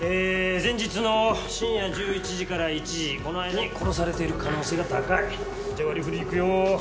前日の深夜１１時から１時この間に殺されている可能性が高いじゃ割りふりいくよ